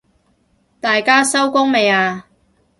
大家收工未啊？